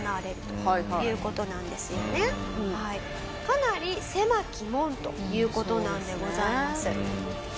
かなり狭き門という事なんでございます。